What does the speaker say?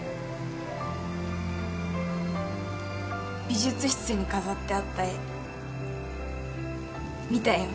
美術室に飾ってあった絵見たよ。